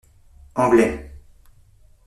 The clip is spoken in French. Anglais.